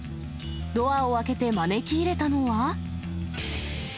ドアを開けて招き入れたのは。